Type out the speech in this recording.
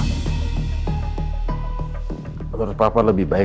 kalau menurut papa lebih baik